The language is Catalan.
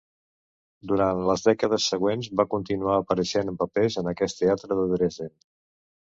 Durant les dècades següents va continuar apareixent en papers en aquest teatre de Dresden.